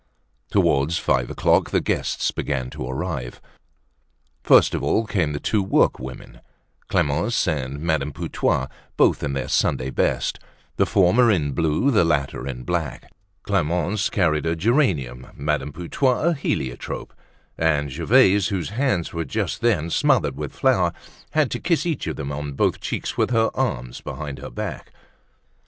Towards five o'clock the guests began to arrive. First of all came the two workwomen, Clemence and Madame Putois, both in their Sunday best, the former in blue, the latter in black; Clemence carried a geranium, Madame Putois a heliotrope, and Gervaise, whose hands were just then smothered with flour, had to kiss each of them on both cheeks with her arms behind her back.